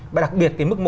và đặc biệt mức một